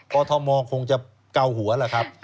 เพราะทศมคงจะเก่าหัวล่ะครับ